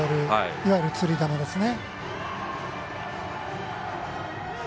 いわゆる、つり球ですね。